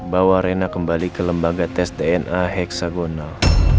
bawa rena kembali ke lembaga tes dna hexagonal